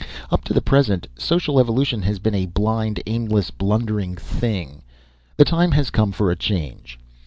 Up to the present, social evolution has been a blind and aimless, blundering thing. The time has come for a change.